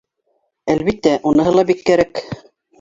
Әлбиттә, уныһы ла бик кәрәк